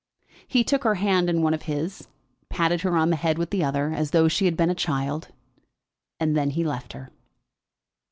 He took her hand in one of his; patted her on the head with the other, as though she had been a child, and then he left her.